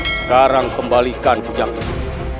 sekarang kembalikan kujang itu